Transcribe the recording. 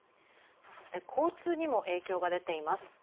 そして、交通にも影響が出ています。